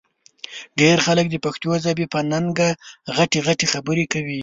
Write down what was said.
ډېر خلک د پښتو ژبې په ننګه غټې غټې خبرې کوي